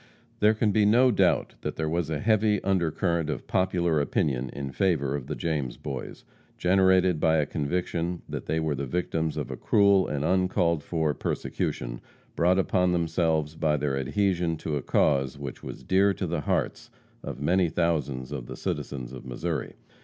There can be no doubt that there was a heavy undercurrent of popular opinion in favor of the James Boys, generated by a conviction that they were the victims of cruel and uncalled for persecution, brought upon themselves by their adhesion to a cause which was dear to the hearts of many thousands of the citizens of Missouri.